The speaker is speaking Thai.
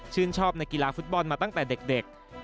ชอบในกีฬาฟุตบอลมาตั้งแต่เด็ก